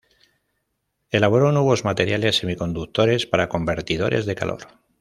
Elaboró nuevos materiales semiconductores para convertidores de calor.